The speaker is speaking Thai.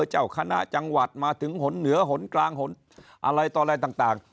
เจ้าคณะจังหวัดมาถึงหนเหนือหนกลางหนอะไรต่ออะไรต่าง